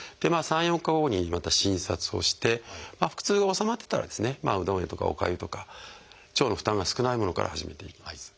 ３４日後にまた診察をして腹痛が治まってたらうどんとかおかゆとか腸の負担が少ないものから始めていきます。